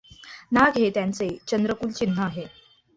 नाग हे त्यांचे चंद्रकुल चिन्ह आहे.